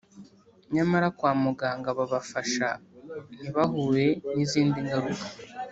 nyamara kwa muganga babafasha ntibahure n’izindi ngaruka